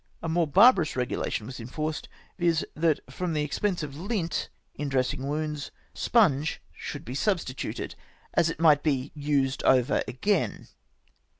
A more barbarous regulation was enforced, \dz, that from the expense of lint in dressing wounds, sponge should be substituted, as it might be used over again